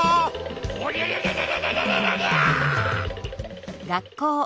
おりゃりゃりゃりゃ！